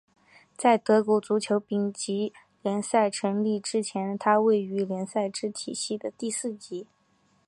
在德国足球丙级联赛成立之前它位于联赛体系的第四级。